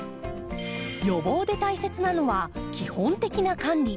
予防で大切なのは基本的な管理。